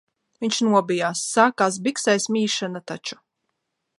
Viņš nobijās, sākās biksēs mīšana taču.